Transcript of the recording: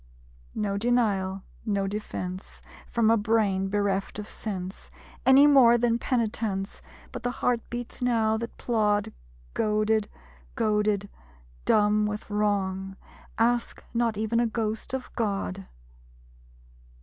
No denial, no defence From a brain bereft of sense, Any more than penitence. But the heart beats now, that plod Goaded goaded dumb with wrong, Ask not even a ghost of God